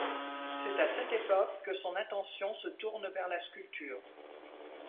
C'est à cette époque que son attention se tourne vers la sculpture.